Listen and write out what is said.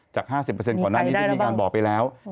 จาก๕๐ของน่าที่ได้มีการบอกไปแล้ว